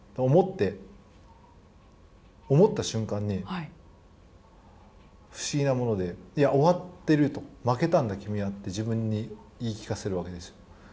思って、思った瞬間に不思議なものでいや、終わってると負けたんだ、君はって自分に言い聞かせるわけですよ。